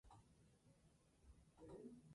La gira se efectuó en Francia y se terminó en Líbano.